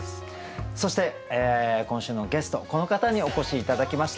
そして今週のゲストこの方にお越し頂きました。